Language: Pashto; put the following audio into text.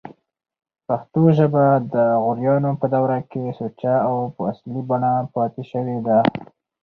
پښتو ژبه دغوریانو په دوره کښي سوچه او په اصلي بڼه پاته سوې ده.